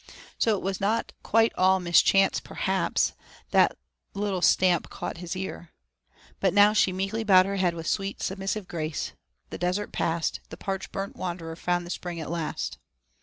So it was not quite all mischance, perhaps, that little stamp that caught his ear. But now she meekly bowed her head with sweet, submissive grace the desert passed, the parch burnt wanderer found the spring at last.